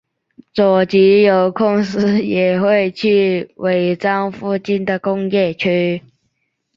佐吉有空时也会去尾张附近的工业区。